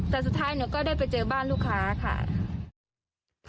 แต่สุดท้ายหนูก็ได้ไปเจอบ้านลูกค้าค่ะ